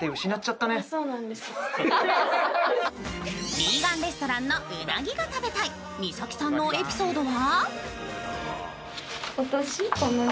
ヴィーガンレストランのうなぎが食べたいみさきさんのエピソードは？